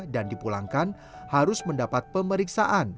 dan dipulangkan harus mendapat pemeriksaan